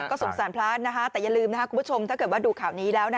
สงสารพระแต่อย่าลืมนะครับคุณผู้ชมถ้าเกิดว่าดูข่าวนี้แล้ว